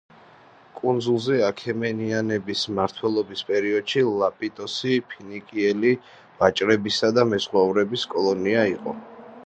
კუნძულზე აქემენიანების მმართველობის პერიოდში ლაპიტოსი ფინიკიელი ვაჭრებისა და მეზღვაურების კოლონია იყო.